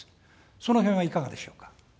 そのへんはいかがでしょうか。